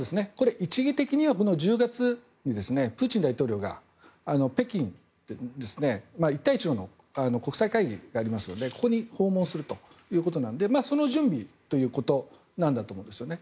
一義的には１０月にプーチン大統領が北京で一帯一路の国際会議がありますのでここに訪問するということなのでその準備ということなんだと思うんですよね。